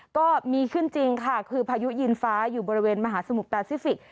ก็มีขึ้นจริงค่ะคือพายุยินฟ้าอยู่บริเวณมหาสมุทรแปซิฟิกส